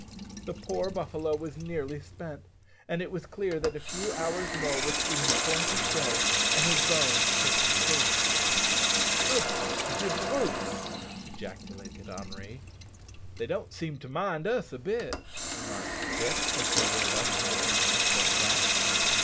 The poor buffalo was nearly spent, and it was clear that a few hours more would see him torn to shreds and his bones picked clean. "Ugh! de brutes," ejaculated Henri. "They don't seem to mind us a bit," remarked Dick, as they rode up to within pistol shot.